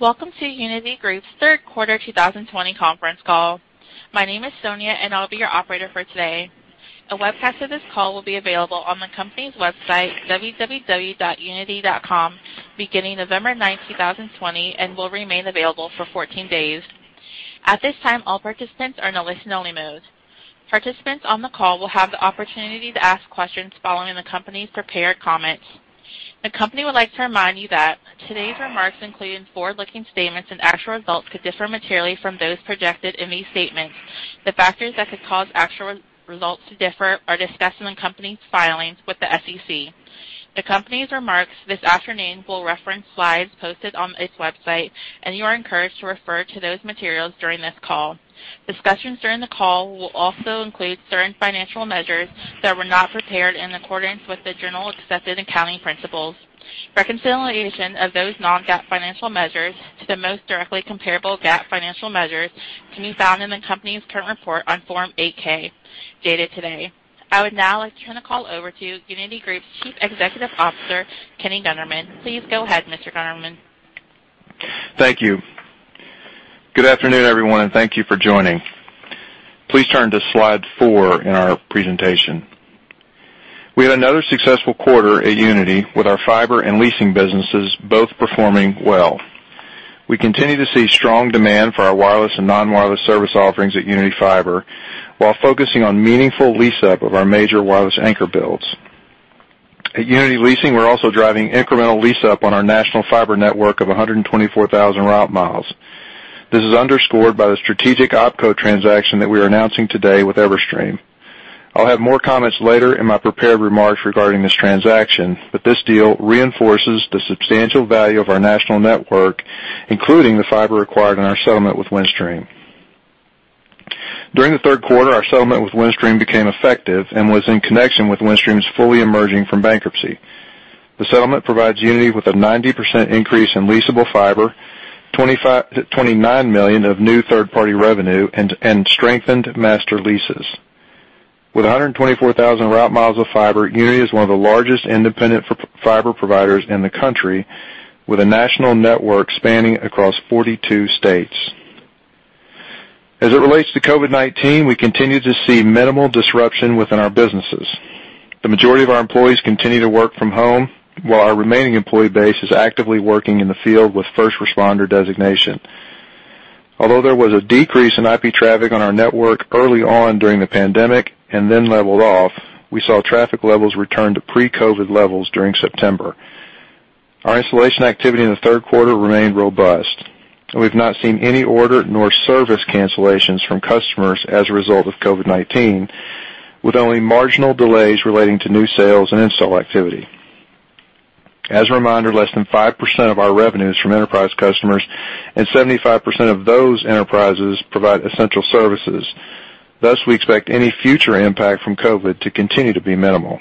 Welcome to Uniti Group's third quarter 2020 conference call. My name is Sonia, and I'll be your operator for today. A webcast of this call will be available on the company's website, www.uniti.com, beginning November 9, 2020, and will remain available for 14 days. At this time, all participants are in listen only mode. Participants on the call will have the opportunity to ask questions following the company's prepared comments. The company would like to remind you that today's remarks include forward-looking statements, and actual results could differ materially from those projected in these statements. The factors that could cause actual results to differ are discussed in the company's filings with the SEC. The company's remarks this afternoon will reference slides posted on its website, and you are encouraged to refer to those materials during this call. Discussions during the call will also include certain financial measures that were not prepared in accordance with the Generally Accepted Accounting Principles. Reconciliation of those non-GAAP financial measures to the most directly comparable GAAP financial measures can be found in the company's current report on Form 8-K, dated today. I would now like to turn the call over to Uniti Group's Chief Executive Officer, Kenny Gunderman. Please go ahead, Mr. Gunderman. Thank you. Good afternoon, everyone, and thank you for joining. Please turn to Slide four in our presentation. We had another successful quarter at Uniti, with our fiber and leasing businesses both performing well. We continue to see strong demand for our wireless and non-wireless service offerings at Uniti Fiber, while focusing on meaningful lease-up of our major wireless anchor builds. At Uniti Leasing, we are also driving incremental lease-up on our national fiber network of 124,000 route miles. This is underscored by the strategic OpCo transaction that we are announcing today with Everstream. I will have more comments later in my prepared remarks regarding this transaction, this deal reinforces the substantial value of our national network, including the fiber acquired in our settlement with Windstream. During the third quarter, our settlement with Windstream became effective and was in connection with Windstream's fully emerging from bankruptcy. The settlement provides Uniti with a 90% increase in leasable fiber, $29 million of new third-party revenue, and strengthened master leases. With 124,000 route miles of fiber, Uniti is one of the largest independent fiber providers in the country, with a national network spanning across 42 states. As it relates to COVID-19, we continue to see minimal disruption within our businesses. The majority of our employees continue to work from home, while our remaining employee base is actively working in the field with first responder designation. Although there was a decrease in IP traffic on our network early on during the pandemic and then leveled off, we saw traffic levels return to pre-COVID levels during September. Our installation activity in the third quarter remained robust. We've not seen any order nor service cancellations from customers as a result of COVID-19, with only marginal delays relating to new sales and install activity. As a reminder, less than 5% of our revenue is from enterprise customers. 75% of those enterprises provide essential services. Thus, we expect any future impact from COVID to continue to be minimal.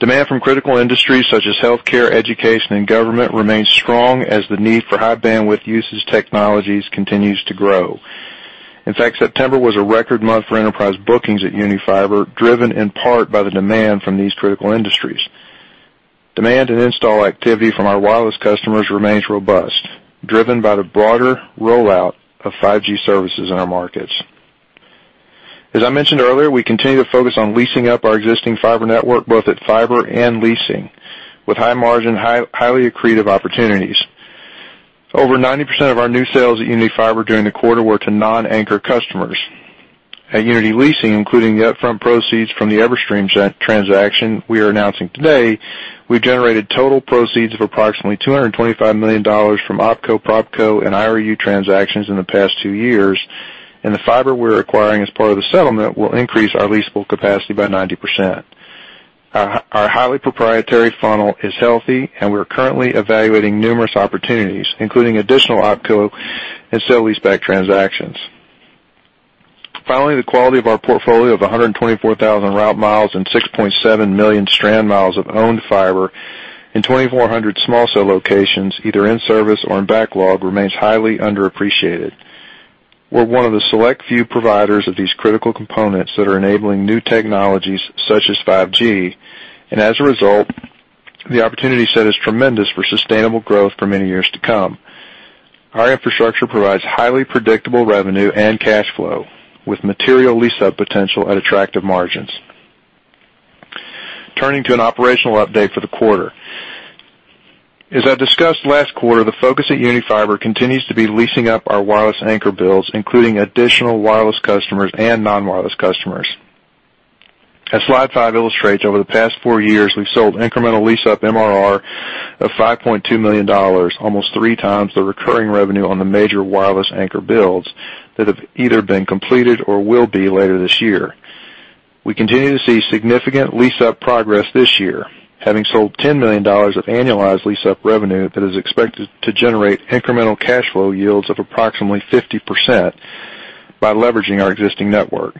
Demand from critical industries such as healthcare, education, and government remains strong as the need for high bandwidth usage technologies continues to grow. In fact, September was a record month for enterprise bookings at Uniti Fiber, driven in part by the demand from these critical industries. Demand and install activity from our wireless customers remains robust, driven by the broader rollout of 5G services in our markets. As I mentioned earlier, we continue to focus on leasing up our existing fiber network, both at Uniti Fiber and Uniti Leasing, with high margin, highly accretive opportunities. Over 90% of our new sales at Uniti Fiber during the quarter were to non-anchor customers. At Uniti Leasing, including the upfront proceeds from the Everstream transaction we are announcing today, we've generated total proceeds of approximately $225 million from OpCo, PropCo, and IRU transactions in the past two years, and the fiber we're acquiring as part of the settlement will increase our leasable capacity by 90%. Our highly proprietary funnel is healthy, and we are currently evaluating numerous opportunities, including additional OpCo and sale-leaseback transactions. Finally, the quality of our portfolio of 124,000 route miles and 6.7 million strand miles of owned fiber in 2,400 small cell locations, either in service or in backlog, remains highly underappreciated. We're one of the select few providers of these critical components that are enabling new technologies such as 5G, and as a result, the opportunity set is tremendous for sustainable growth for many years to come. Our infrastructure provides highly predictable revenue and cash flow, with material lease-up potential at attractive margins. Turning to an operational update for the quarter. As I discussed last quarter, the focus at Uniti Fiber continues to be leasing up our wireless anchor builds, including additional wireless customers and non-wireless customers. As Slide five illustrates, over the past four years, we've sold incremental lease-up MRR of $5.2 million, almost three times the recurring revenue on the major wireless anchor builds that have either been completed or will be later this year. We continue to see significant lease-up progress this year, having sold $10 million of annualized lease-up revenue that is expected to generate incremental cash flow yields of approximately 50% by leveraging our existing network.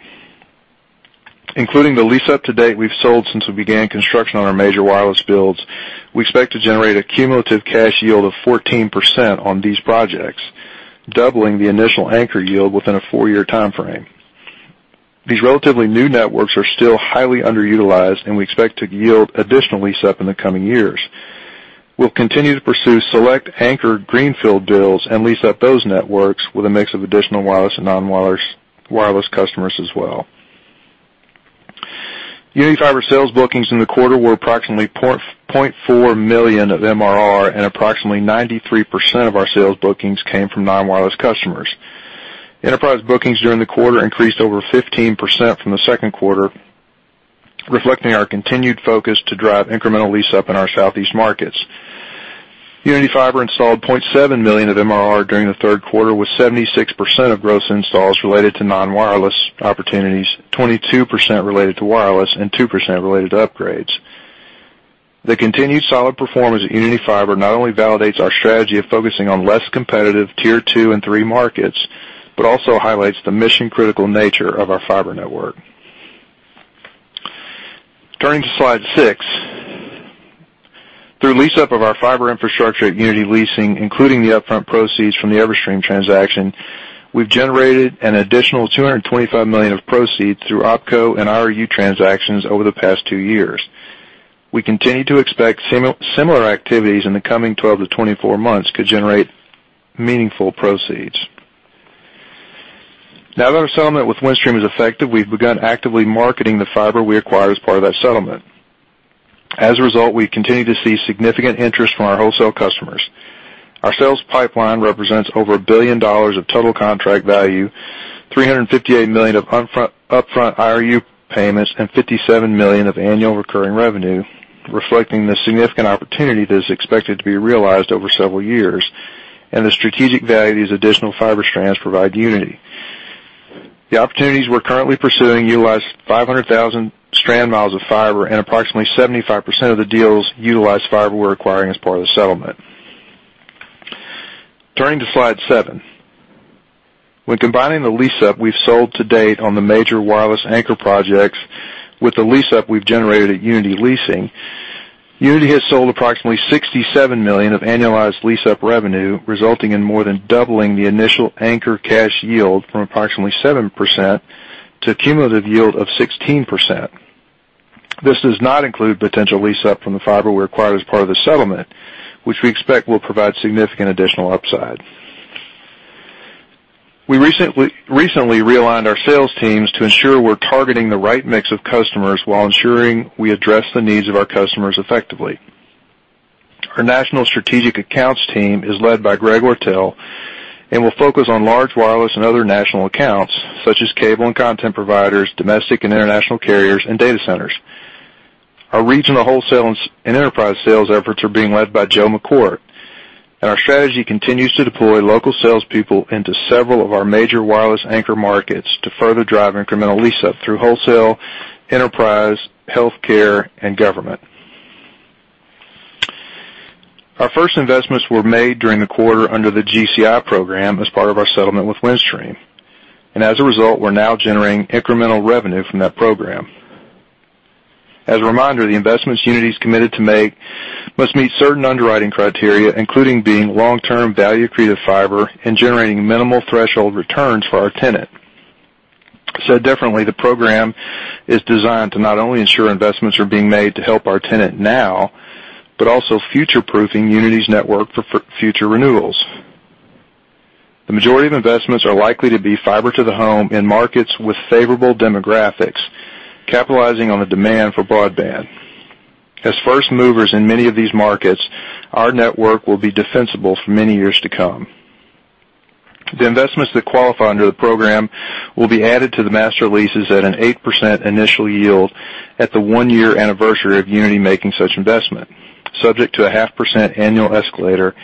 Including the lease-up to date we've sold since we began construction on our major wireless builds, we expect to generate a cumulative cash yield of 14% on these projects, doubling the initial anchor yield within a four-year timeframe. These relatively new networks are still highly underutilized, and we expect to yield additional lease-up in the coming years. We'll continue to pursue select anchor greenfield deals and lease-up those networks with a mix of additional wireless and non-wireless customers as well. Uniti Fiber sales bookings in the quarter were approximately $0.4 million of MRR, and approximately 93% of our sales bookings came from non-wireless customers. Enterprise bookings during the quarter increased over 15% from the second quarter, reflecting our continued focus to drive incremental lease-up in our Southeast markets. Uniti Fiber installed $0.7 million of MRR during the third quarter, with 76% of gross installs related to non-wireless opportunities, 22% related to wireless, and 2% related to upgrades. The continued solid performance at Uniti Fiber not only validates our strategy of focusing on less competitive Tier two and three markets, but also highlights the mission-critical nature of our fiber network. Turning to Slide six. Through lease-up of our fiber infrastructure at Uniti Leasing, including the upfront proceeds from the Everstream transaction, we've generated an additional $225 million of proceeds through opco and IRU transactions over the past two years. We continue to expect similar activities in the coming 12 to 24 months to generate meaningful proceeds. Now that our settlement with Windstream is effective, we've begun actively marketing the fiber we acquired as part of that settlement. As a result, we continue to see significant interest from our wholesale customers. Our sales pipeline represents over $1 billion of total contract value, $358 million of upfront IRU payments, and $57 million of annual recurring revenue, reflecting the significant opportunity that is expected to be realized over several years and the strategic value these additional fiber strands provide Uniti. The opportunities we're currently pursuing utilize 500,000 strand miles of fiber, and approximately 75% of the deals utilize fiber we're acquiring as part of the settlement. Turning to Slide seven. When combining the lease-up we've sold to date on the major wireless anchor projects with the lease-up we've generated at Uniti Leasing, Uniti has sold approximately $67 million of annualized lease-up revenue, resulting in more than doubling the initial anchor cash yield from approximately 7% to a cumulative yield of 16%. This does not include potential lease-up from the fiber we acquired as part of the settlement, which we expect will provide significant additional upside. We recently realigned our sales teams to ensure we're targeting the right mix of customers while ensuring we address the needs of our customers effectively. Our national strategic accounts team is led by Greg Ortyl and will focus on large wireless and other national accounts, such as cable and content providers, domestic and international carriers, and data centers. Our regional wholesale and enterprise sales efforts are being led by Joe McCourt. Our strategy continues to deploy local salespeople into several of our major wireless anchor markets to further drive incremental lease-up through wholesale, enterprise, healthcare, and government. Our first investments were made during the quarter under the GCI program as part of our settlement with Windstream. As a result, we're now generating incremental revenue from that program. As a reminder, the investments Uniti's committed to make must meet certain underwriting criteria, including being long-term value-accretive fiber and generating minimal threshold returns for our tenant. Definitely, the program is designed to not only ensure investments are being made to help our tenant now, but also future-proofing Uniti's network for future renewals. The majority of investments are likely to be fiber to the home in markets with favorable demographics, capitalizing on the demand for broadband. As first movers in many of these markets, our network will be defensible for many years to come. The investments that qualify under the program will be added to the master leases at an 8% initial yield at the one-year anniversary of Uniti making such investment, subject to a half percent annual escalator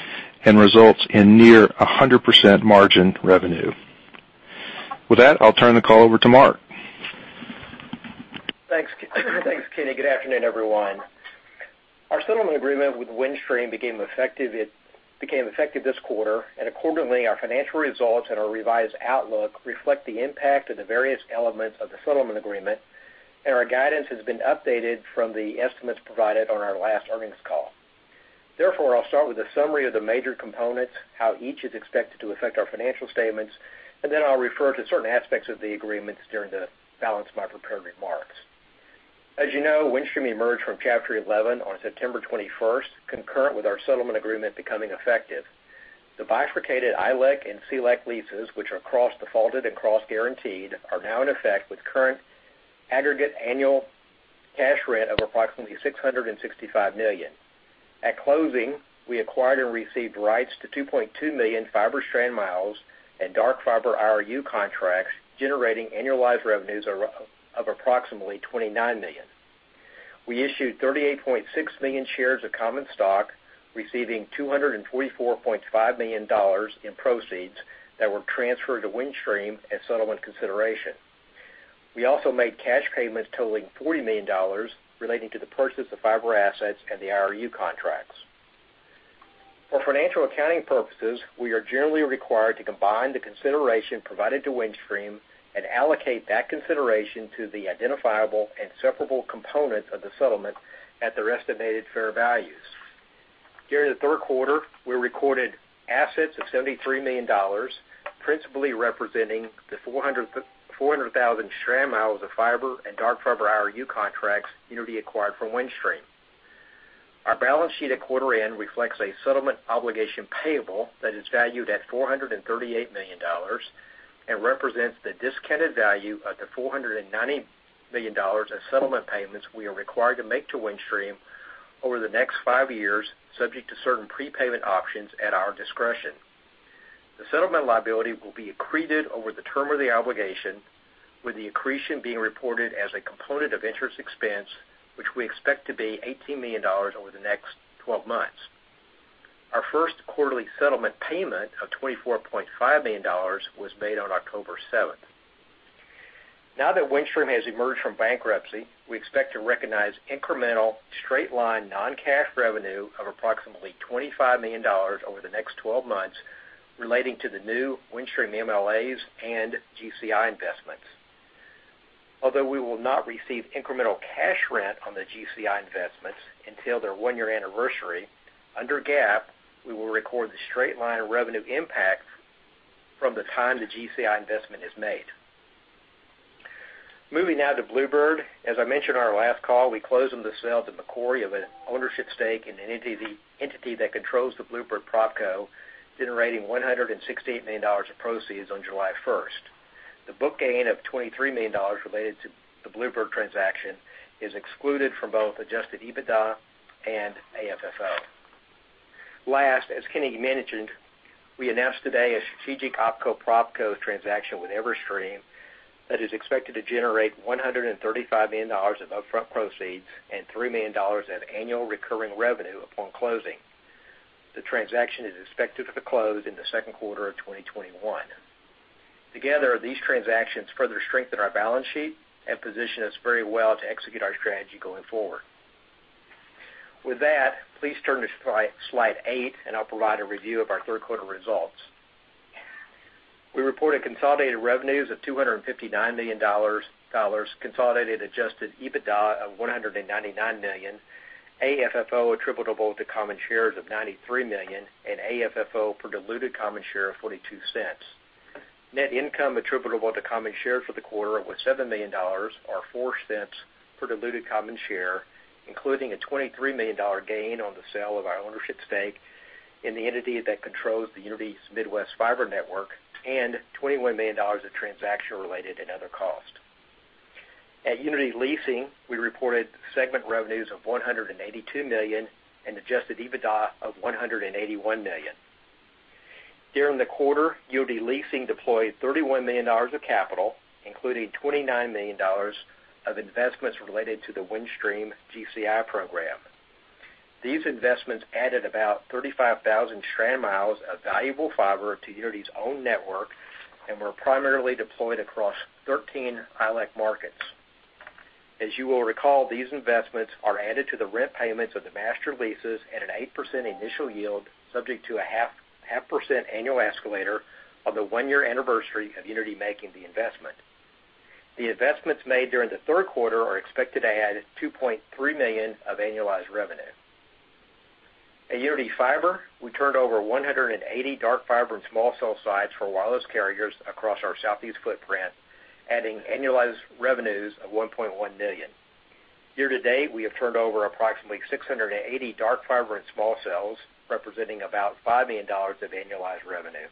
and results in near 100% margin revenue. With that, I'll turn the call over to Mark. Thanks, Kenny. Good afternoon, everyone. Our settlement agreement with Windstream became effective this quarter, and accordingly, our financial results and our revised outlook reflect the impact of the various elements of the settlement agreement, and our guidance has been updated from the estimates provided on our last earnings call. Therefore, I'll start with a summary of the major components, how each is expected to affect our financial statements, and then I'll refer to certain aspects of the agreements during the balance of my prepared remarks. As you know, Windstream emerged from Chapter 11 on September 21st, concurrent with our settlement agreement becoming effective. The bifurcated ILEC and CLEC leases, which are cross-defaulted and cross-guaranteed, are now in effect, with current aggregate annual cash rent of approximately $665 million. At closing, we acquired and received rights to 2.2 million fiber strand miles and dark fiber IRU contracts, generating annualized revenues of approximately $29 million. We issued 38.6 million shares of common stock, receiving $224.5 million in proceeds that were transferred to Windstream as settlement consideration. We also made cash payments totaling $40 million relating to the purchase of fiber assets and the IRU contracts. For financial accounting purposes, we are generally required to combine the consideration provided to Windstream and allocate that consideration to the identifiable and separable components of the settlement at their estimated fair values. During the third quarter, we recorded assets of $73 million, principally representing the 400,000 strand miles of fiber and dark fiber IRU contracts Uniti acquired from Windstream. Our balance sheet at quarter end reflects a settlement obligation payable that is valued at $438 million and represents the discounted value of the $490 million in settlement payments we are required to make to Windstream over the next five years, subject to certain prepayment options at our discretion. The settlement liability will be accreted over the term of the obligation, with the accretion being reported as a component of interest expense, which we expect to be $18 million over the next 12 months. Our first quarterly settlement payment of $24.5 million was made on October 7th. Now that Windstream has emerged from bankruptcy, we expect to recognize incremental straight-line non-cash revenue of approximately $25 million over the next 12 months relating to the new Windstream MLAs and GCI investments. Although we will not receive incremental cash rent on the GCI investments until their one-year anniversary, under GAAP, we will record the straight-line revenue impact from the time the GCI investment is made. Moving now to Bluebird, as I mentioned in our last call, we closed on the sale to Macquarie of an ownership stake in an entity that controls the Bluebird PropCo, generating $168 million of proceeds on July 1st. The book gain of $23 million related to the Bluebird transaction is excluded from both adjusted EBITDA and AFFO. Last, as Kenny mentioned, we announced today a strategic OpCo/PropCo transaction with Everstream that is expected to generate $135 million of upfront proceeds and $3 million of annual recurring revenue upon closing. The transaction is expected to close in the second quarter of 2021. Together, these transactions further strengthen our balance sheet and position us very well to execute our strategy going forward. With that, please turn to slide eight, and I'll provide a review of our third quarter results. We reported consolidated revenues of $259 million, consolidated adjusted EBITDA of $199 million, AFFO attributable to common shares of $93 million, and AFFO per diluted common share of $0.42. Net income attributable to common shares for the quarter was $7 million, or $0.04 per diluted common share, including a $23 million gain on the sale of our ownership stake in the entity that controls Uniti's Midwest fiber network and $21 million of transaction-related and other costs. At Uniti Leasing, we reported segment revenues of $182 million and adjusted EBITDA of $181 million. During the quarter, Uniti Leasing deployed $31 million of capital, including $29 million of investments related to the Windstream GCI program. These investments added about 35,000 strand miles of valuable fiber to Uniti's own network and were primarily deployed across 13 ILEC markets. As you will recall, these investments are added to the rent payments of the master leases at an 8% initial yield, subject to a 0.5% annual escalator on the one-year anniversary of Uniti making the investment. The investments made during the third quarter are expected to add $2.3 million of annualized revenue. At Uniti Fiber, we turned over 180 dark fiber and small cell sites for wireless carriers across our southeast footprint, adding annualized revenues of $1.1 million. Year-to-date, we have turned over approximately 680 dark fiber and small cells, representing about $5 million of annualized revenue.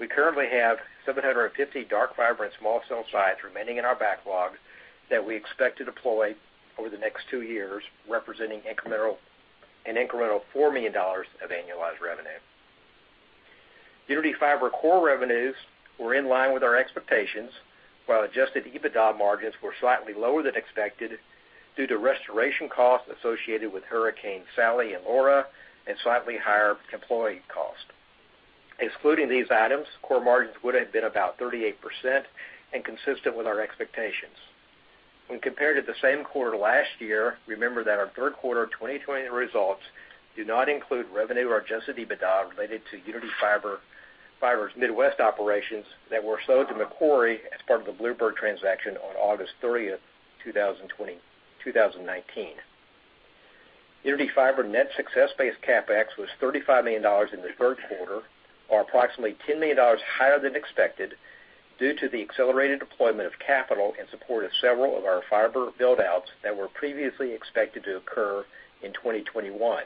We currently have 750 dark fiber and small cell sites remaining in our backlog that we expect to deploy over the next two years, representing an incremental $4 million of annualized revenue. Uniti Fiber core revenues were in line with our expectations, while adjusted EBITDA margins were slightly lower than expected due to restoration costs associated with Hurricanes Sally and Laura and slightly higher employee costs. Excluding these items, core margins would have been about 38% and consistent with our expectations. When compared to the same quarter last year, remember that our third quarter 2020 results do not include revenue or adjusted EBITDA related to Uniti Fiber's Midwest operations that were sold to Macquarie as part of the Bluebird transaction on August 30, 2019. Uniti Fiber net success-based CapEx was $35 million in the third quarter, or approximately $10 million higher than expected due to the accelerated deployment of capital in support of several of our fiber build-outs that were previously expected to occur in 2021.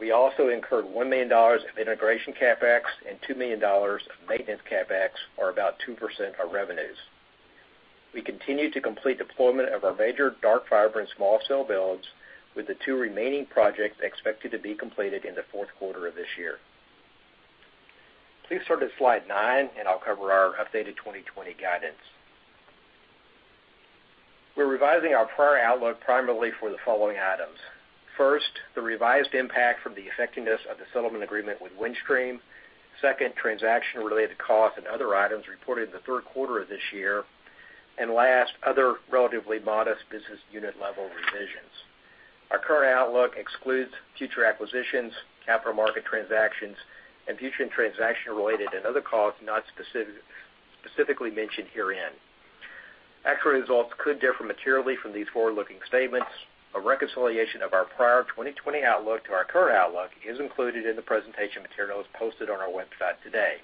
We also incurred $1 million of integration CapEx and $2 million of maintenance CapEx, or about 2% of revenues. We continue to complete deployment of our major dark fiber and small cell builds, with the two remaining projects expected to be completed in the fourth quarter of this year. Please turn to slide nine, and I'll cover our updated 2020 guidance. We're revising our prior outlook primarily for the following items. First, the revised impact from the effectiveness of the settlement agreement with Windstream. Second, transaction-related costs and other items reported in the third quarter of this year. Last, other relatively modest business unit-level revisions. Our current outlook excludes future acquisitions, capital market transactions, and future transaction-related and other costs not specifically mentioned herein. Actual results could differ materially from these forward-looking statements. A reconciliation of our prior 2020 outlook to our current outlook is included in the presentation materials posted on our website today.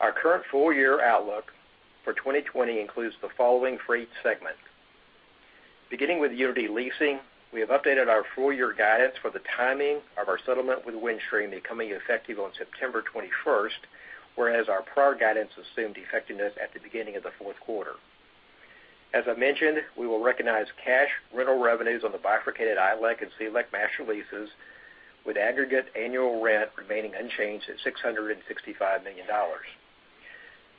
Our current full-year outlook for 2020 includes the following four segments. Beginning with Uniti Leasing, we have updated our full-year guidance for the timing of our settlement with Windstream becoming effective on September 21st, whereas our prior guidance assumed effectiveness at the beginning of the fourth quarter. As I mentioned, we will recognize cash rental revenues on the bifurcated ILEC and CLEC master leases, with aggregate annual rent remaining unchanged at $665 million.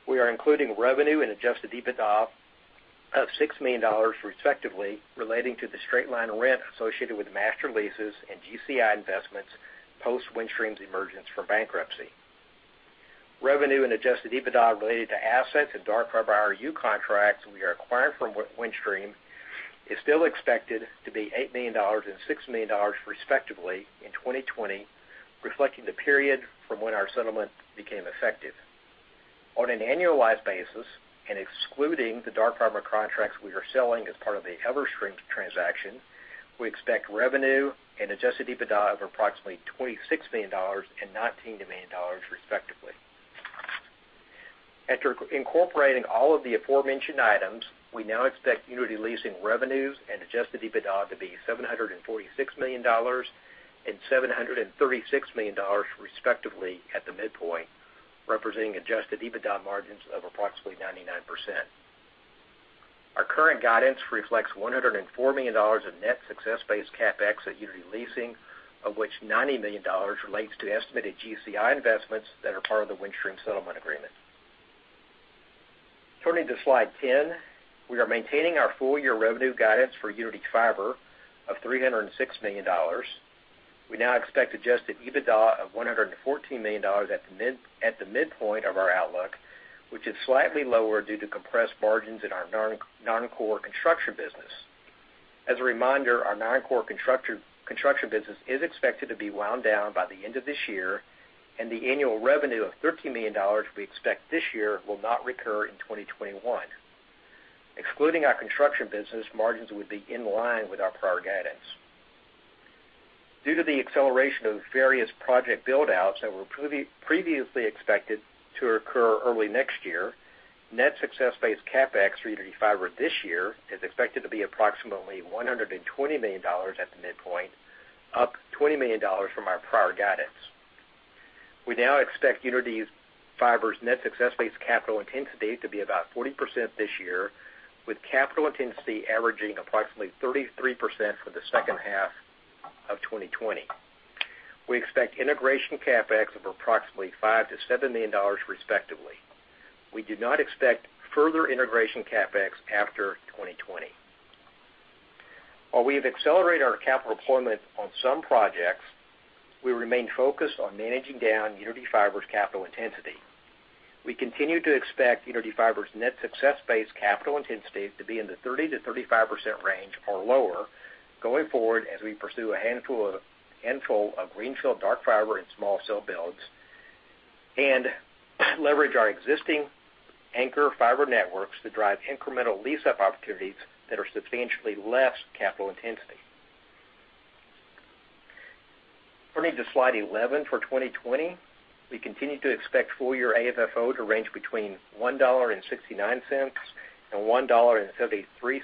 We are including revenue and adjusted EBITDA of $6 million respectively relating to the straight-line rent associated with master leases and GCI investments post Windstream's emergence from bankruptcy. Revenue and adjusted EBITDA related to assets and dark fiber IRU contracts we are acquiring from Windstream is still expected to be $8 million and $6 million respectively in 2020, reflecting the period from when our settlement became effective. On an annualized basis and excluding the dark fiber contracts we are selling as part of the Everstream transaction, we expect revenue and adjusted EBITDA of approximately $26 million and $19 million respectively. After incorporating all of the aforementioned items, we now expect Uniti Leasing revenues and adjusted EBITDA to be $746 million and $736 million respectively at the midpoint, representing adjusted EBITDA margins of approximately 99%. Our current guidance reflects $104 million of net success-based CapEx at Uniti Leasing, of which $90 million relates to estimated GCI investments that are part of the Windstream settlement agreement. Turning to slide 10. We are maintaining our full-year revenue guidance for Uniti Fiber of $306 million. We now expect adjusted EBITDA of $114 million at the midpoint of our outlook, which is slightly lower due to compressed margins in our non-core construction business. As a reminder, our non-core construction business is expected to be wound down by the end of this year, and the annual revenue of $13 million we expect this year will not recur in 2021. Excluding our construction business, margins would be in line with our prior guidance. Due to the acceleration of various project build-outs that were previously expected to occur early next year, net success-based CapEx for Uniti Fiber this year is expected to be approximately $120 million at the midpoint, up $20 million from our prior guidance. We now expect Uniti Fiber's net success-based capital intensity to be about 40% this year, with capital intensity averaging approximately 33% for the second half of 2020. We expect integration CapEx of approximately $5 million-$7 million respectively. We do not expect further integration CapEx after 2020. While we have accelerated our capital deployment on some projects, we remain focused on managing down Uniti Fiber's capital intensity. We continue to expect Uniti Fiber's net success-based capital intensity to be in the 30%-35% range or lower going forward, as we pursue a handful of greenfield dark fiber and small cell builds and leverage our existing anchor fiber networks to drive incremental lease-up opportunities that are substantially less capital intensive. Turning to slide 11 for 2020. We continue to expect full-year AFFO to range between $1.69 and $1.73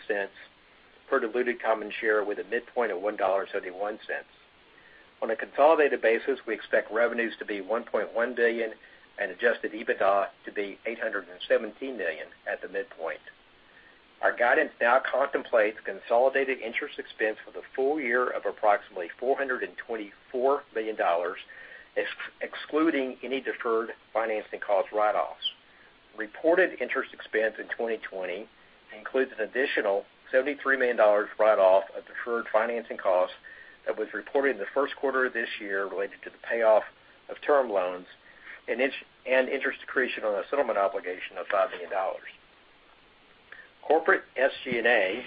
per diluted common share, with a midpoint of $1.71. On a consolidated basis, we expect revenues to be $1.1 billion and adjusted EBITDA to be $817 million at the midpoint. Our guidance now contemplates consolidated interest expense for the full year of approximately $424 million, excluding any deferred financing cost write-offs. Reported interest expense in 2020 includes an additional $73 million write-off of deferred financing costs that was reported in the first quarter of this year related to the payoff of term loans and interest accretion on a settlement obligation of $5 million. Corporate SG&A,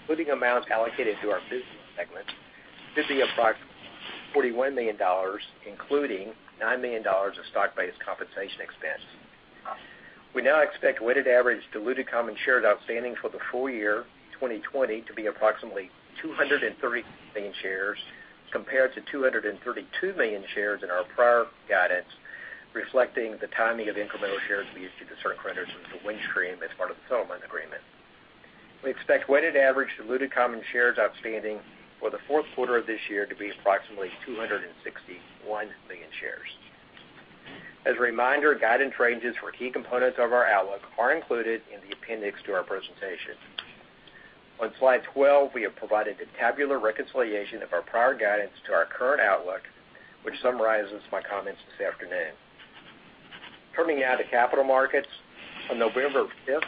including amounts allocated to our business segment, could be approximately $41 million, including $9 million of stock-based compensation expense. We now expect weighted average diluted common shares outstanding for the full year 2020 to be approximately 230 million shares compared to 232 million shares in our prior guidance, reflecting the timing of incremental shares we issued to certain creditors of Windstream as part of the settlement agreement. We expect weighted average diluted common shares outstanding for the fourth quarter of this year to be approximately 261 million shares. As a reminder, guidance ranges for key components of our outlook are included in the appendix to our presentation. On slide 12, we have provided a tabular reconciliation of our prior guidance to our current outlook, which summarizes my comments this afternoon. Turning now to capital markets. On November 5th,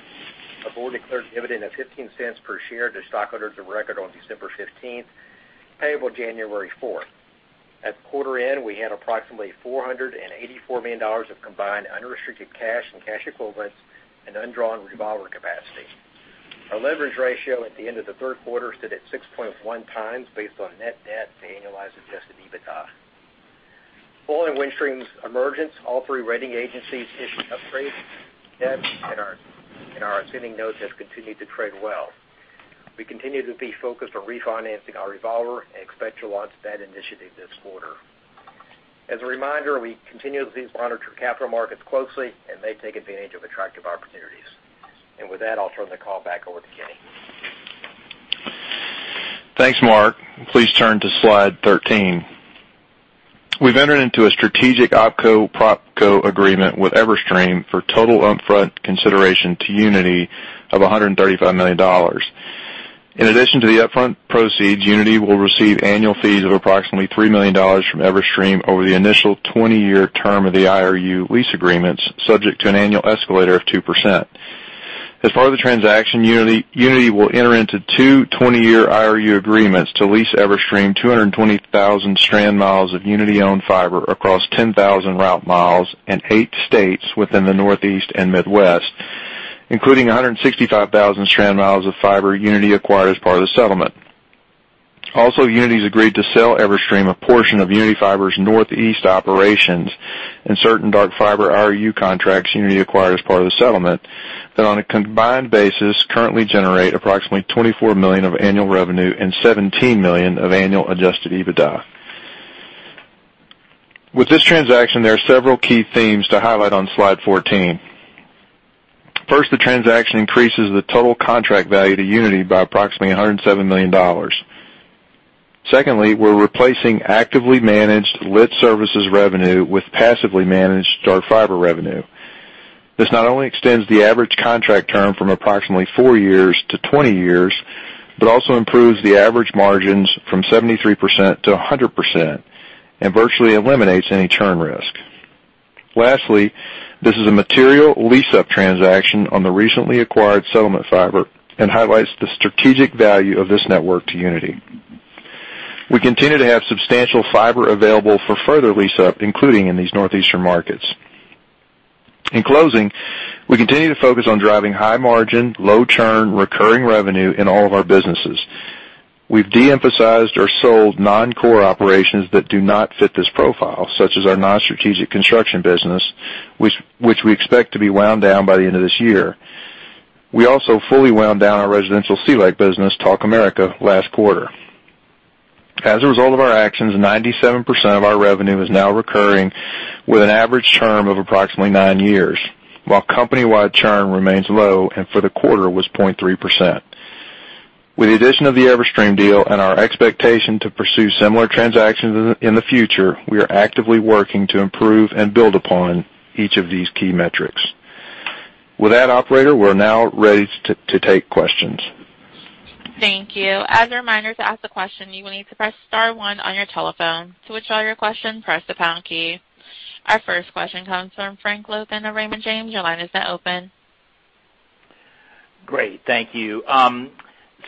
our board declared a dividend of $0.15 per share to stockholders of the record on December 15th, payable January 4th. At quarter end, we had approximately $484 million of combined unrestricted cash and cash equivalents and undrawn revolver capacity. Our leverage ratio at the end of the third quarter stood at 6.1x based on net debt to annualized adjusted EBITDA. Following Windstream's emergence, all three rating agencies issued upgrades, and our assuming notes have continued to trade well. We continue to be focused on refinancing our revolver and expect to launch that initiative this quarter. As a reminder, we continuously monitor capital markets closely and may take advantage of attractive opportunities. With that, I'll turn the call back over to Kenny. Thanks, Mark. Please turn to slide 13. We've entered into a strategic OpCo-PropCo agreement with Everstream for total upfront consideration to Uniti of $135 million. In addition to the upfront proceeds, Uniti will receive annual fees of approximately $3 million from Everstream over the initial 20-year term of the IRU lease agreements, subject to an annual escalator of 2%. As part of the transaction, Uniti will enter into two 20-year IRU agreements to lease Everstream 220,000 strand miles of Uniti-owned fiber across 10,000 route miles in eight states within the Northeast and Midwest, including 165,000 strand miles of fiber Uniti acquired as part of the settlement. Uniti's agreed to sell Everstream a portion of Uniti Fiber's Northeast operations and certain dark fiber IRU contracts Uniti acquired as part of the settlement that on a combined basis currently generate approximately $24 million of annual revenue and $17 million of annual adjusted EBITDA. With this transaction, there are several key themes to highlight on slide 14. First, the transaction increases the total contract value to Uniti by approximately $107 million. Secondly, we're replacing actively managed lit services revenue with passively managed dark fiber revenue. This not only extends the average contract term from approximately four years to 20 years, but also improves the average margins from 73% to 100% and virtually eliminates any churn risk. Lastly, this is a material lease-up transaction on the recently acquired settlement fiber and highlights the strategic value of this network to Uniti. We continue to have substantial fiber available for further lease-up, including in these northeastern markets. In closing, we continue to focus on driving high margin, low churn, recurring revenue in all of our businesses. We've de-emphasized or sold non-core operations that do not fit this profile, such as our non-strategic construction business, which we expect to be wound down by the end of this year. We also fully wound down our residential CLEC business, Talk America, last quarter. As a result of our actions, 97% of our revenue is now recurring with an average term of approximately nine years, while company-wide churn remains low and for the quarter was 0.3%. With the addition of the Everstream deal and our expectation to pursue similar transactions in the future, we are actively working to improve and build upon each of these key metrics. With that, operator, we're now ready to take questions. Thank you. As a reminder, to ask a question, you will need to press star one on your telephone. To withdraw your question, press the pound key. Our first question comes from Frank Louthan of Raymond James. Your line is now open. Great. Thank you. Mark,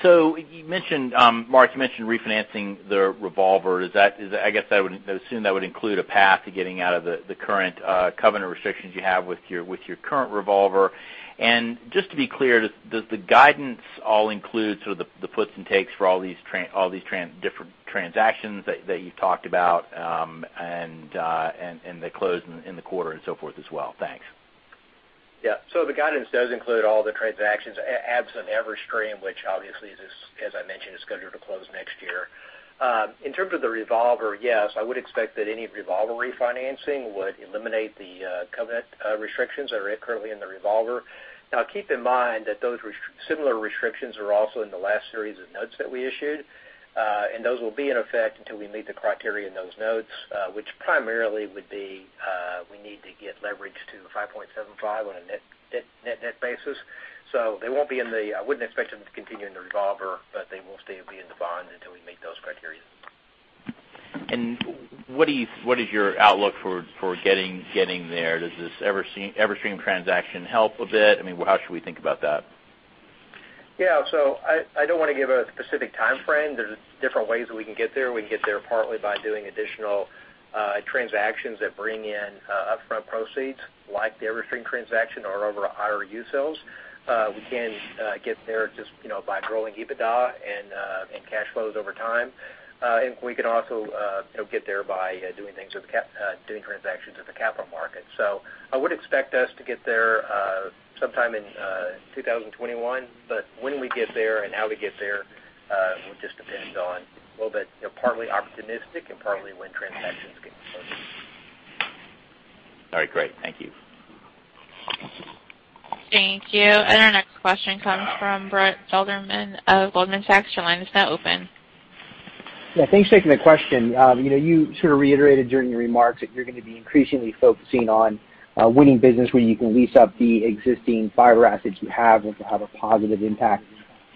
you mentioned refinancing the revolver. I guess I would assume that would include a path to getting out of the current covenant restrictions you have with your current revolver and just to be clear, does the guidance all include sort of the puts and takes for all these different transactions that you've talked about, and the close in the quarter and so forth as well? Thanks. Yeah. The guidance does include all the transactions, absent Everstream, which obviously, as I mentioned, is scheduled to close next year. In terms of the revolver, yes, I would expect that any revolver refinancing would eliminate the covenant restrictions that are currently in the revolver. Keep in mind that those similar restrictions are also in the last series of notes that we issued, and those will be in effect until we meet the criteria in those notes, which primarily would be, we need to get leverage to 5.75 on a net basis. I wouldn't expect them to continue in the revolver, but they will still be in the bond until we meet those criteria. What is your outlook for getting there? Does this Everstream transaction help a bit? I mean, how should we think about that? Yeah. I don't want to give a specific timeframe. There's different ways that we can get there. We can get there partly by doing additional transactions that bring in upfront proceeds, like the Everstream transaction or over IRU sales. We can get there just by growing EBITDA and cash flows over time. We can also get there by doing transactions in the capital market. I would expect us to get there sometime in 2021, but when we get there and how we get there just depends on a little bit partly optimistic and partly when transactions get closed. All right, great. Thank you. Thank you. Our next question comes from Brett Feldman of Goldman Sachs. Your line is now open. Yeah, thanks for taking the question. You sort of reiterated during your remarks that you're going to be increasingly focusing on winning business where you can lease up the existing fiber assets you have, which will have a positive impact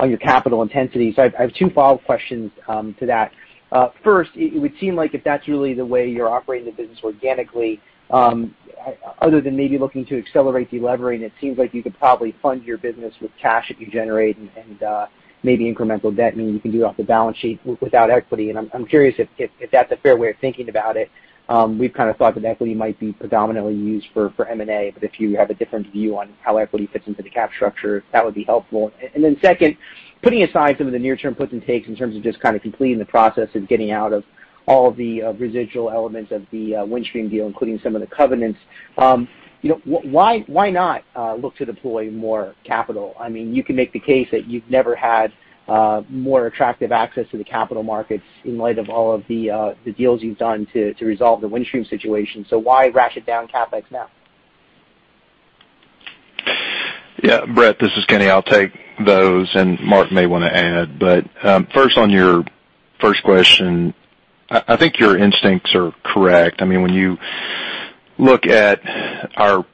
on your capital intensity. I have two follow-up questions to that. First, it would seem like if that's really the way you're operating the business organically, other than maybe looking to accelerate de-levering, it seems like you could probably fund your business with cash that you generate and maybe incremental debt, meaning you can do it off the balance sheet without equity, and I'm curious if that's a fair way of thinking about it. We've kind of thought that equity might be predominantly used for M&A, but if you have a different view on how equity fits into the cap structure, that would be helpful. Second, putting aside some of the near-term puts and takes in terms of just kind of completing the process of getting out of all the residual elements of the Windstream deal, including some of the covenants. Why not look to deploy more capital? You can make the case that you've never had more attractive access to the capital markets in light of all of the deals you've done to resolve the Windstream situation. Why rash it down CapEx now? Yeah, Brett, this is Kenny. I'll take those, and Mark may want to add. First, on your first question, I think your instincts are correct. When you look at our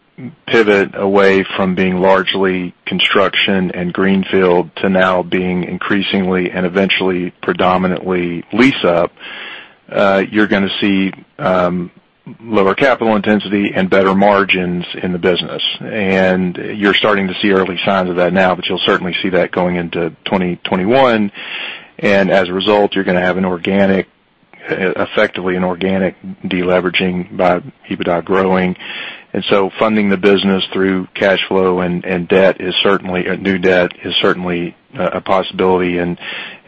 pivot away from being largely construction and greenfield to now being increasingly and eventually predominantly lease-up, you're going to see lower capital intensity and better margins in the business. You're starting to see early signs of that now, but you'll certainly see that going into 2021 and as a result, you're going to have effectively an organic de-leveraging by EBITDA growing. Funding the business through cash flow and debt, new debt, is certainly a possibility or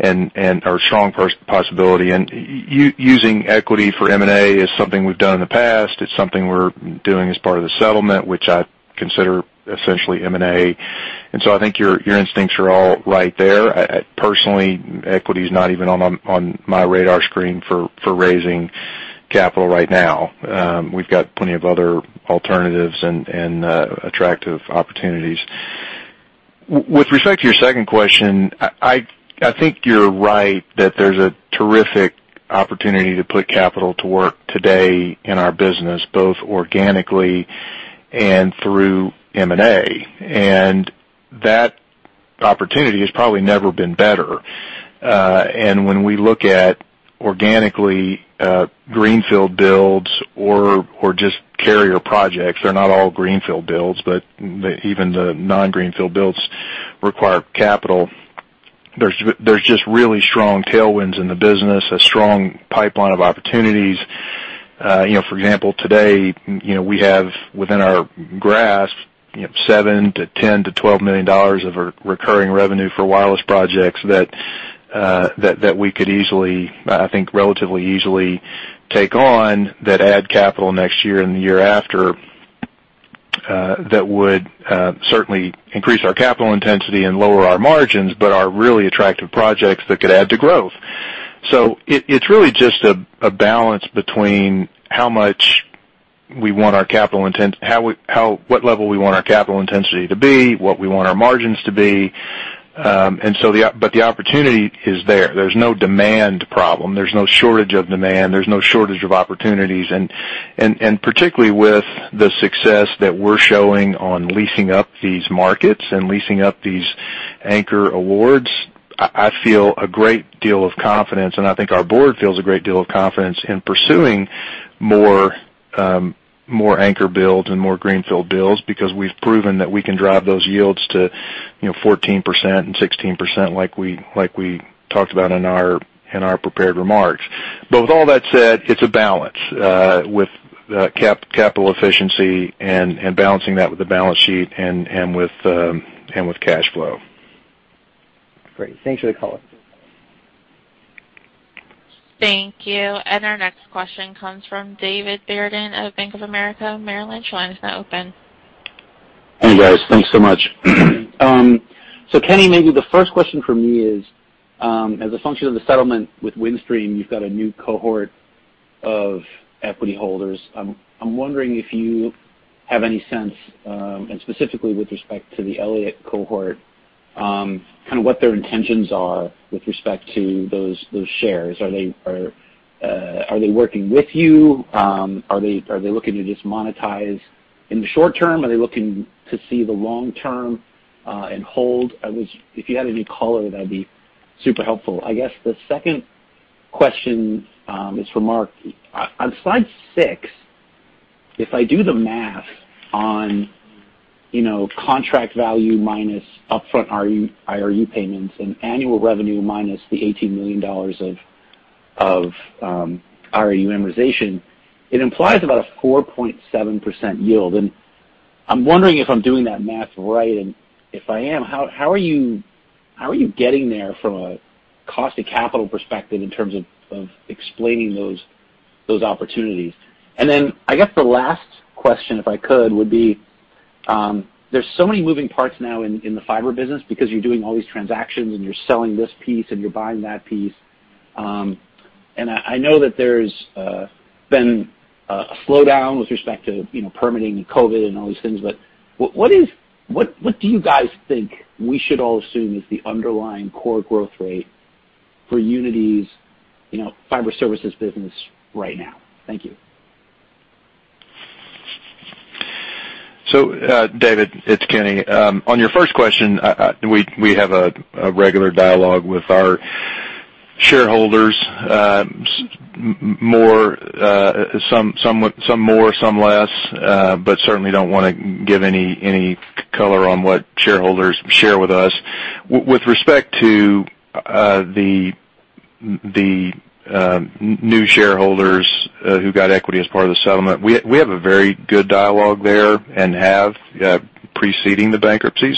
a strong possibility. Using equity for M&A is something we've done in the past. It's something we're doing as part of the settlement, which I consider essentially M&A. I think your instincts are all right there. Personally, equity is not even on my radar screen for raising capital right now. We've got plenty of other alternatives and attractive opportunities. With respect to your second question, I think you're right that there's a terrific opportunity to put capital to work today in our business, both organically and through M&A, and that opportunity has probably never been better. When we look at organically greenfield builds or just carrier projects, they're not all greenfield builds, but even the non-greenfield builds require capital. There's just really strong tailwinds in the business, a strong pipeline of opportunities. For example, today, we have within our grasp $7 million to $10 million to $12 million of recurring revenue for wireless projects that we could easily, I think, relatively easily take on that add capital next year and the year after. That would certainly increase our capital intensity and lower our margins, but are really attractive projects that could add to growth. It's really just a balance between what level we want our capital intensity to be, what we want our margins to be, but the opportunity is there. There's no demand problem. There's no shortage of demand, there's no shortage of opportunities. Particularly with the success that we're showing on leasing up these markets and leasing up these anchor awards, I feel a great deal of confidence, and I think our Board feels a great deal of confidence in pursuing more anchor builds and more greenfield builds because we've proven that we can drive those yields to 14% and 16% like we talked about in our prepared remarks. With all that said, it's a balance with capital efficiency and balancing that with the balance sheet and with cash flow. Great. Thanks for the color. Thank you. Our next question comes from David Barden of Bank of America Merrill Lynch, your line is now open. Hey, guys. Thanks so much. Kenny, maybe the first question from me is as a function of the settlement with Windstream, you've got a new cohort of equity holders. I'm wondering if you have any sense and specifically with respect to the Elliott cohort, what their intentions are with respect to those shares. Are they working with you? Are they looking to just monetize in the short term? Are they looking to see the long term and hold? If you had any color, that'd be super helpful. I guess the second question is for Mark. On slide six, if I do the math on contract value minus upfront IRU payments and annual revenue minus the $18 million of IRU amortization, it implies about a 4.7% yield. I'm wondering if I'm doing that math right. If I am, how are you getting there from a cost of capital perspective in terms of explaining those opportunities? Then I guess the last question, if I could, would be there's so many moving parts now in the fiber business because you're doing all these transactions and you're selling this piece and you're buying that piece. I know that there's been a slowdown with respect to permitting and COVID and all these things. What do you guys think we should all assume is the underlying core growth rate for Uniti's fiber services business right now? Thank you. David, it's Kenny. On your first question, we have a regular dialogue with our shareholders, some more, some less but certainly don't want to give any color on what shareholders share with us. With respect to the new shareholders who got equity as part of the settlement, we have a very good dialogue there and have preceding the bankruptcy.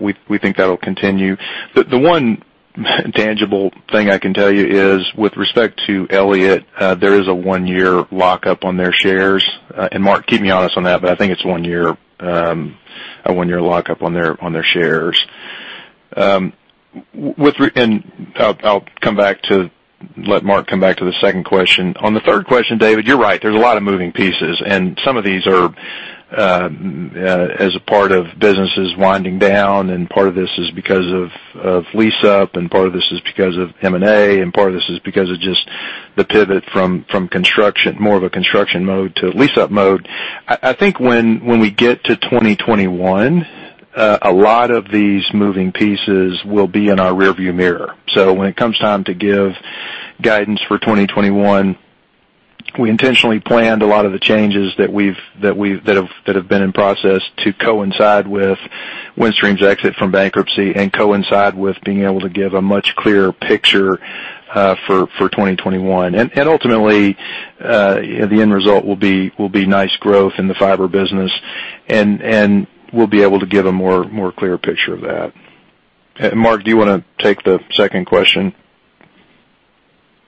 We think that'll continue. The one tangible thing I can tell you is with respect to Elliott, there is a one-year lockup on their shares. Mark, keep me honest on that, but I think it's a one-year lockup on their shares. I'll let Mark come back to the second question. On the third question, David, you're right. There's a lot of moving pieces, and some of these are as a part of businesses winding down and part of this is because of lease-up, and part of this is because of M&A, and part of this is because of just the pivot from more of a construction mode to a lease-up mode. I think when we get to 2021, a lot of these moving pieces will be in our rear view mirror. When it comes time to give guidance for 2021, we intentionally planned a lot of the changes that have been in process to coincide with Windstream's exit from bankruptcy and coincide with being able to give a much clearer picture for 2021. Ultimately, the end result will be nice growth in the fiber business, and we'll be able to give a more clear picture of that. Mark, do you want to take the second question?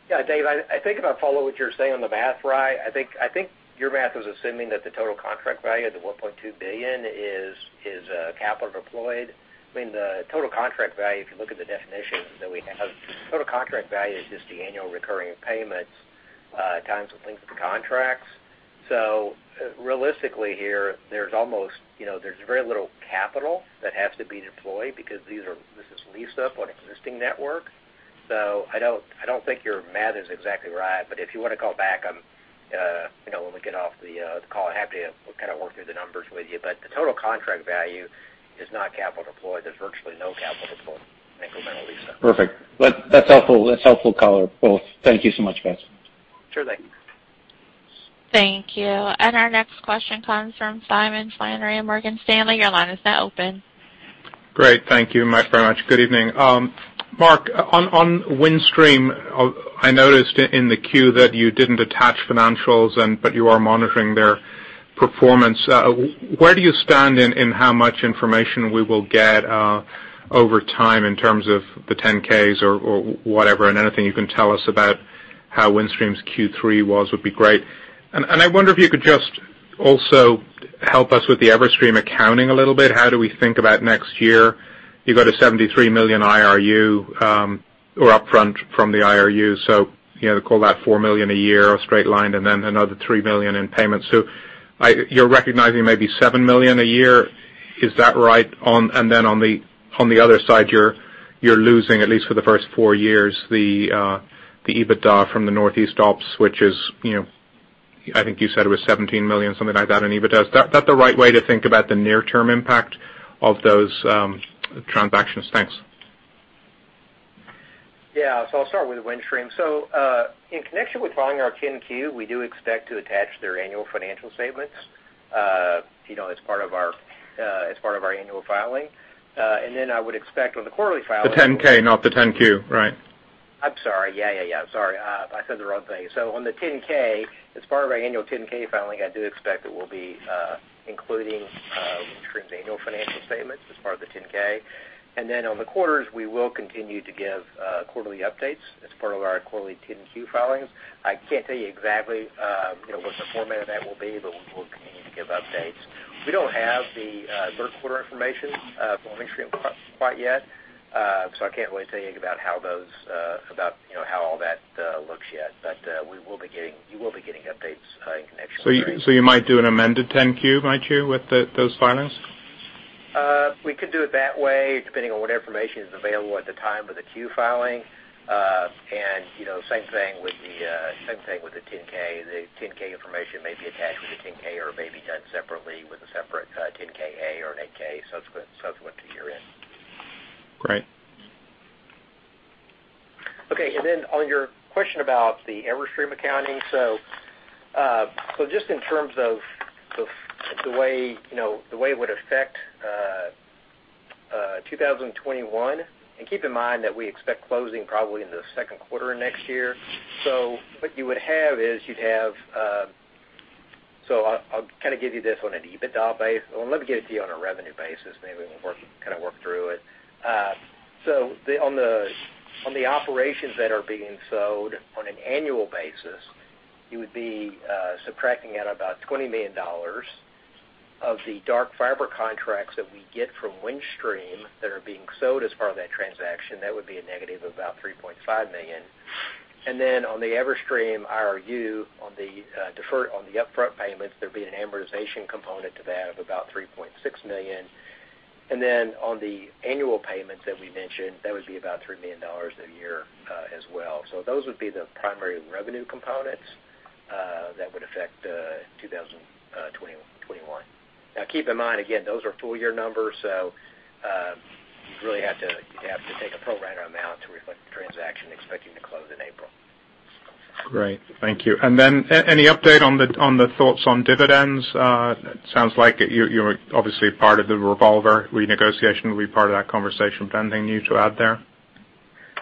David, I think if I follow what you're saying on the math, righ?, I think your math is assuming that the total contract value of the $1.2 billion is capital deployed. I mean, the total contract value, if you look at the definition that we have, total contract value is just the annual recurring payments times the length of the contracts. Realistically here, there's very little capital that has to be deployed because this is leased up on existing network. I don't think your math is exactly right, but if you want to call back when we get off the call, I'm happy to work through the numbers with you. The total contract value is not capital deployed. There's virtually no capital deployed incrementally. Perfect. That's helpful color, both. Thank you so much, guys. Sure thing. Thank you. Our next question comes from Simon Flannery of Morgan Stanley. Your line is now open. Great. Thank you very much. Good evening. Mark, on Windstream, I noticed in the 10-Q that you didn't attach financials, but you are monitoring their performance. Where do you stand in how much information we will get over time in terms of the 10-Ks or whatever, and anything you can tell us about how Windstream's Q3 was would be great. I wonder if you could just also help us with the Everstream accounting a little bit. How do we think about next year? You've got a $73 million IRU or upfront from the IRU, so call that $4 million a year straight line and then another $3 million in payments. You're recognizing maybe $7 million a year. Is that right? On the other side, you're losing, at least for the first four years, the EBITDA from the Northeast ops, which is, I think you said it was $17 million, something like that in EBITDA. Is that the right way to think about the near-term impact of those transactions? Thanks. Yeah. I'll start with Windstream. In connection with filing our 10-Q, we do expect to attach their annual financial statements as part of our annual filing. I would expect on the quarterly filing. The 10-K, not the 10-Q, right. I'm sorry. Yeah. I'm sorry. I said the wrong thing. On the 10-K, as part of our annual 10-K filing, I do expect it will be including Windstream's annual financial statements as part of the 10-K. On the quarters, we will continue to give quarterly updates as part of our quarterly 10-Q filings. I can't tell you exactly what the format of that will be, but we will continue to give updates. We don't have the third quarter information for Windstream quite yet, so I can't really tell you about how all that looks yet. You will be getting updates in connection with. You might do an amended 10-Q, might you, with those filings? We could do it that way, depending on what information is available at the time of the Q filing. Same thing with the 10-K. The 10-K information may be attached with the 10-K or may be done separately with a separate 10-K/A or an 8-K subsequent to year-end. Right. On your question about the Everstream accounting. Just in terms of the way it would affect 2021, and keep in mind that we expect closing probably in the second quarter of next year. What you would have is I'll give you this on an EBITDA base. Well, let me give it to you on a revenue basis, maybe we'll work through it. On the operations that are being sold on an annual basis, you would be subtracting out about $20 million of the dark fiber contracts that we get from Windstream that are being sold as part of that transaction. That would be a negative of about $3.5 million. On the Everstream IRU, on the upfront payments, there'd be an amortization component to that of about $3.6 million. On the annual payments that we mentioned, that would be about $3 million a year as well. Those would be the primary revenue components that would affect 2021. Keep in mind, again, those are full year numbers, so you'd really have to take a pro rata amount to reflect the transaction expecting to close in April. Great. Thank you. Any update on the thoughts on dividends? It sounds like you're obviously part of the revolver renegotiation will be part of that conversation, but anything new to add there?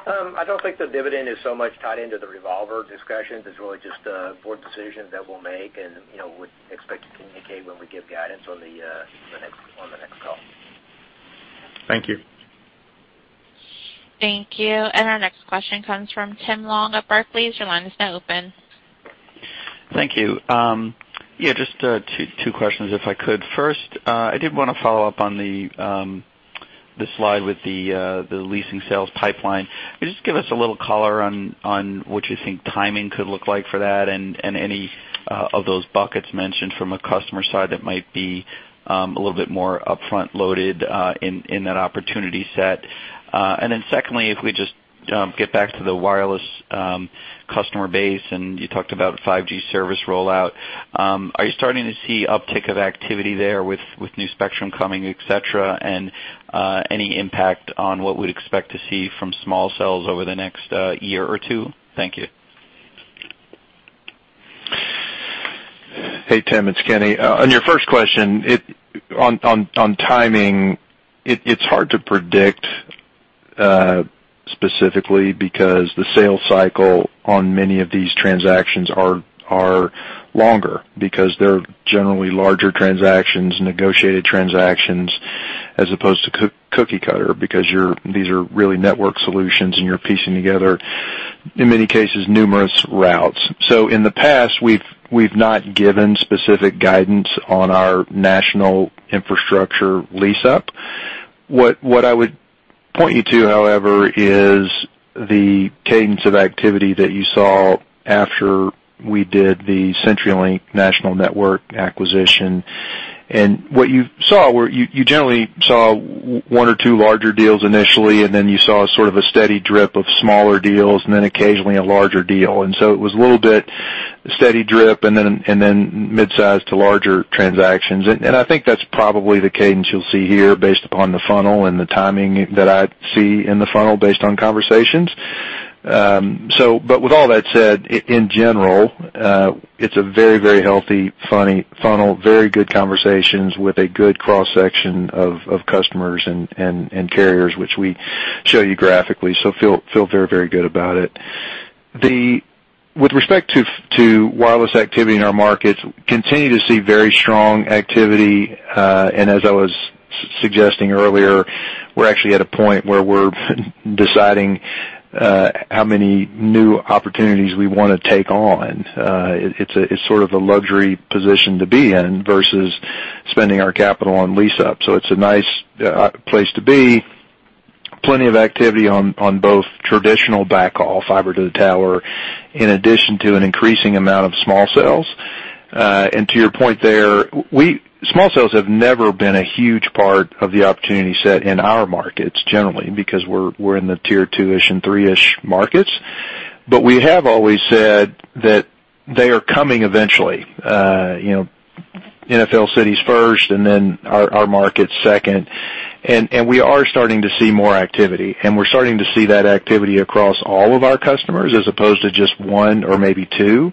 I don't think the dividend is so much tied into the revolver discussions. It's really just a board decision that we'll make, and would expect to communicate when we give guidance on the next call. Thank you. Thank you. Our next question comes from Tim Long of Barclays. Your line is now open. Thank you. Just two questions if I could. First, I did want to follow up on the slide with the leasing sales pipeline. Could you just give us a little color on what you think timing could look like for that and any of those buckets mentioned from a customer side that might be a little bit more upfront loaded in that opportunity set? Secondly, if we just get back to the wireless customer base, and you talked about 5G service rollout. Are you starting to see uptick of activity there with new spectrum coming, et cetera, and any impact on what we'd expect to see from small cells over the next year or two? Thank you. Hey, Tim, it's Kenny. On your first question, on timing, it's hard to predict specifically because the sales cycle on many of these transactions are longer because they're generally larger transactions, negotiated transactions, as opposed to cookie cutter, because these are really network solutions and you're piecing together, in many cases, numerous routes. In the past, we've not given specific guidance on our national infrastructure lease up. What I would point you to, however, is the cadence of activity that you saw after we did the CenturyLink national network acquisition. What you saw were you generally saw one or two larger deals initially, and then you saw sort of a steady drip of smaller deals, and then occasionally a larger deal. It was a little bit steady drip and then mid-size to larger transactions. I think that's probably the cadence you'll see here based upon the funnel and the timing that I see in the funnel based on conversations. With all that said, in general, it's a very healthy funnel, very good conversations with a good cross-section of customers and carriers, which we show you graphically, so feel very good about it. With respect to wireless activity in our markets, continue to see very strong activity, and as I was suggesting earlier, we're actually at a point where we're deciding how many new opportunities we want to take on. It's sort of a luxury position to be in versus spending our capital on lease up. It's a nice place to be. Plenty of activity on both traditional backhaul fiber to the tower, in addition to an increasing amount of small cells. To your point there, small cells have never been a huge part of the opportunity set in our markets generally because we're in the tier two-ish and three-ish markets. We have always said that they are coming eventually. NFL cities first and then our markets second. We are starting to see more activity, and we're starting to see that activity across all of our customers as opposed to just one or maybe two.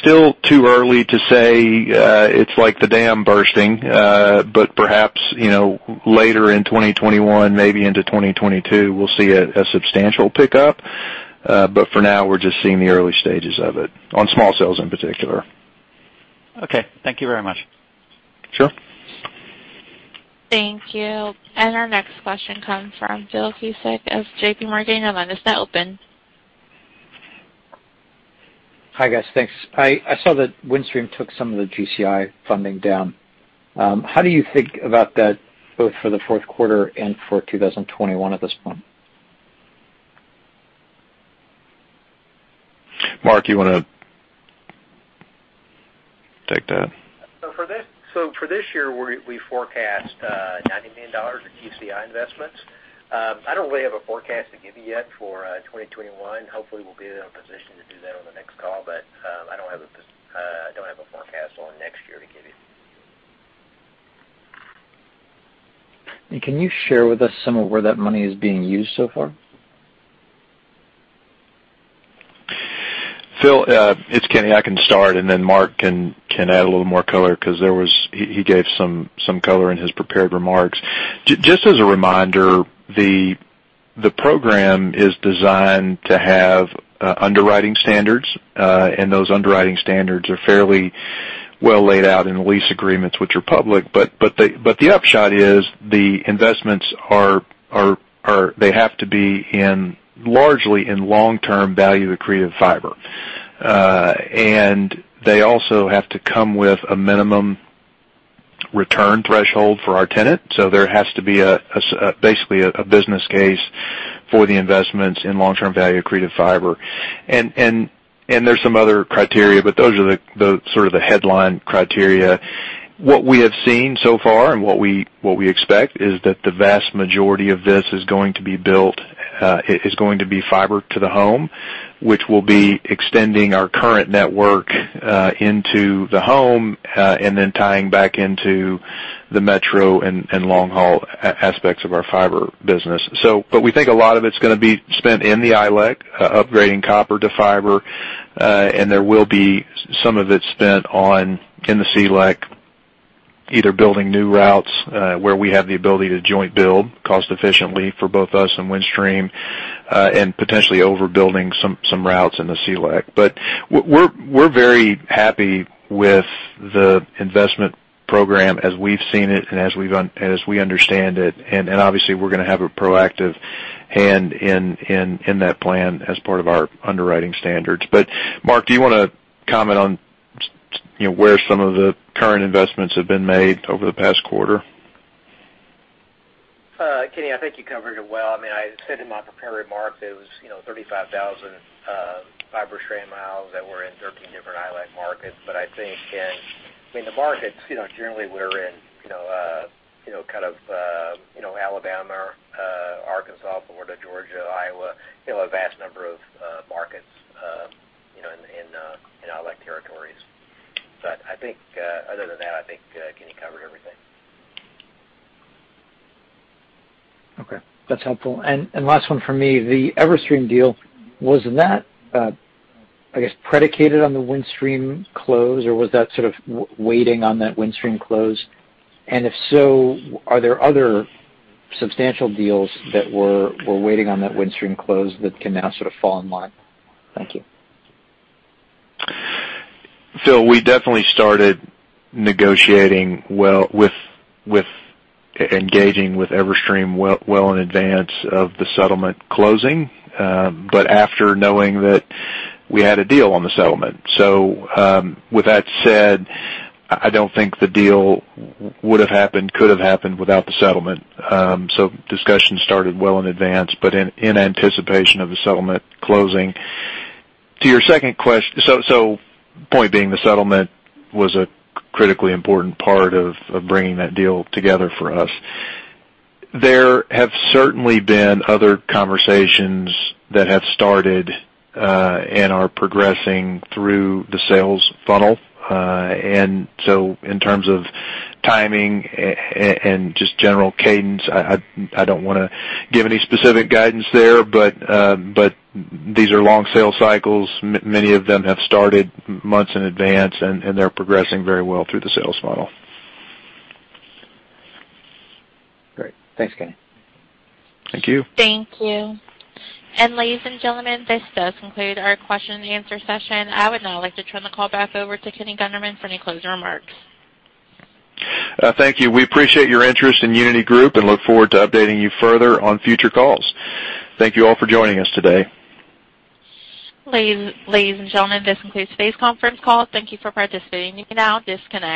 Still too early to say it's like the dam bursting, but perhaps later in 2021, maybe into 2022, we'll see a substantial pickup. For now, we're just seeing the early stages of it on small cells in particular. Okay. Thank you very much. Sure. Thank you. Our next question comes from Philip Cusick of JPMorgan. Your line is now open. Hi, guys. Thanks. I saw that Windstream took some of the GCI funding down. How do you think about that both for the fourth quarter and for 2021 at this point? Mark, you want to take that? For this year, we forecast $90 million for GCI investments. I don't really have a forecast to give you yet for 2021. Hopefully, we'll be in a position to do that on the next call. I don't have a forecast on next year to give you. Can you share with us some of where that money is being used so far? Philip, it's Kenny. I can start and then Mark can add a little more color because he gave some color in his prepared remarks. Just as a reminder, the program is designed to have underwriting standards, and those underwriting standards are fairly well laid out in lease agreements which are public. The upshot is the investments have to be largely in long-term value-accretive fiber. They also have to come with a minimum return threshold for our tenant. There has to be basically a business case for the investments in long-term value-accretive fiber. There's some other criteria, but those are the sort of the headline criteria. What we have seen so far and what we expect is that the vast majority of this is going to be fiber to the home, which will be extending our current network into the home, and then tying back into the metro and long-haul aspects of our fiber business. We think a lot of it's going to be spent in the ILEC, upgrading copper to fiber, and there will be some of it spent in the CLEC, either building new routes where we have the ability to joint build cost efficiently for both us and Windstream, and potentially overbuilding some routes in the CLEC. We're very happy with the investment program as we've seen it and as we understand it, and obviously, we're going to have a proactive hand in that plan as part of our underwriting standards. Mark, do you want to comment on where some of the current investments have been made over the past quarter? Kenny, I think you covered it well. I said in my prepared remark that it was 35,000 fiber strand miles that were in 13 different ILEC markets. I think in the markets, generally, we're in Alabama, Arkansas, Florida, Georgia, Iowa, a vast number of markets in ILEC territories. Other than that, I think Kenny covered everything. Okay. That's helpful. Last one from me, the Everstream deal, was that, I guess, predicated on the Windstream close, or was that sort of waiting on that Windstream close? If so, are there other substantial deals that were waiting on that Windstream close that can now sort of fall in line? Thank you. Phil, we definitely started engaging with Everstream well in advance of the settlement closing, but after knowing that we had a deal on the settlement. With that said, I don't think the deal would have happened, could have happened without the settlement. Discussions started well in advance, but in anticipation of the settlement closing. Point being, the settlement was a critically important part of bringing that deal together for us. There have certainly been other conversations that have started and are progressing through the sales funnel. In terms of timing and just general cadence, I don't want to give any specific guidance there, but these are long sales cycles. Many of them have started months in advance, and they're progressing very well through the sales funnel. Great. Thanks, Kenny. Thank you. Thank you. Ladies and gentlemen, this does conclude our question and answer session. I would now like to turn the call back over to Kenny Gunderman for any closing remarks. Thank you. We appreciate your interest in Uniti Group and look forward to updating you further on future calls. Thank you all for joining us today. Ladies and gentlemen, this concludes today's conference call. Thank you for participating. You may now disconnect.